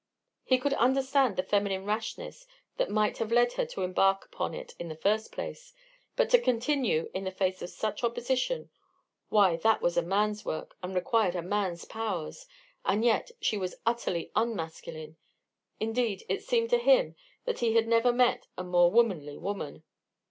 He could understand the feminine rashness that might have led her to embark upon it in the first place, but to continue in the face of such opposition why, that was a man's work and required a man's powers, and yet she was utterly unmasculine. Indeed, it seemed to him that he had never met a more womanly woman.